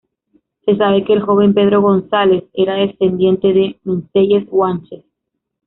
Se sabe que el joven Pedro González era descendiente de menceyes guanches.